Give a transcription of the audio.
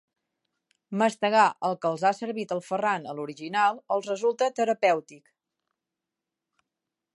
Mastegar el que els ha servit el Ferran a l'Horiginal els resulta terapèutic.